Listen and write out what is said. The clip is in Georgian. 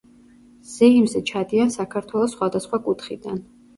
ზეიმზე ჩადიან საქართველოს სხვადასხვა კუთხიდან.